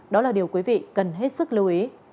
đó là điều quý vị cần hết sức lưu ý